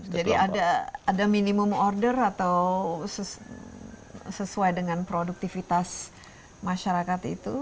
jadi ada minimum order atau sesuai dengan produktivitas masyarakat itu